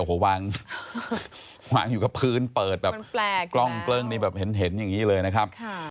โอ้โหวางอยู่กับพื้นเปิดแบบกล้องเกลิ้งนี่แบบเห็นอย่างนี้เลยนะครับ